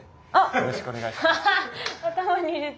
よろしくお願いします。